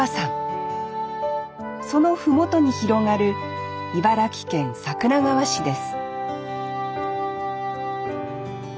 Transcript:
その麓に広がる茨城県桜川市です